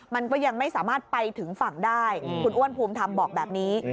มันก็ยังไม่สามารถไปถึงฝั่งได้คุณอ้วนภูมิธรรมบอกแบบนี้